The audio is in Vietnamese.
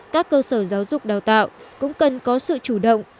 các cơ sở giáo dục đào tạo cũng cần có sự chủ động